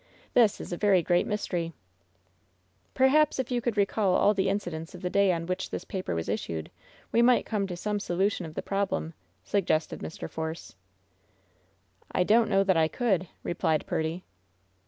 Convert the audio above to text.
This is a very great mystery !" "Perhaps if you could recall all the incidents of the day on which this paper was issued we might come to some solution of the problem," suggested Mr. Force. "I don't know that I could," replied Purdy.